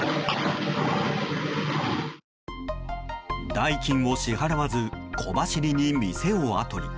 代金を支払わず小走りに店をあとに。